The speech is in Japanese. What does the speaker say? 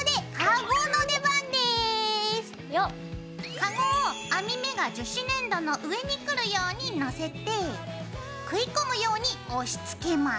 カゴを網目が樹脂粘土の上にくるようにのせて食い込むように押しつけます。